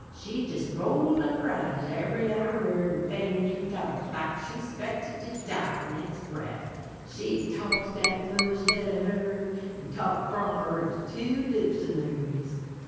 She jes' rolled up her eyes ebery oder word, and fanned and talked like she 'spected to die de nex' breff. She'd toss dat mush head ob hern and talk proper as two dixunarys.